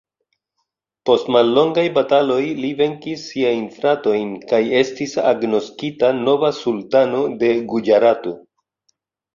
Post mallongaj bataloj li venkis siajn fratojn kaj estis agnoskita nova sultano de Guĝarato.